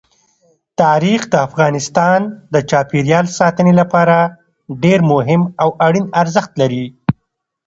تاریخ د افغانستان د چاپیریال ساتنې لپاره ډېر مهم او اړین ارزښت لري.